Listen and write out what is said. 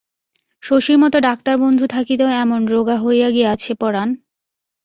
শশীর মতো ডাক্তারবন্ধু থাকিতেও এমন রোগা হইয়া গিয়াছে পরান?